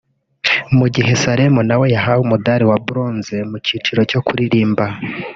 mu gihe Salem nawe yahawe umudari wa Bronze mu kiciro cyo kuririmba